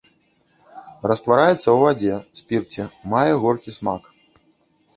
Раствараецца ў вадзе, спірце, мае горкі смак.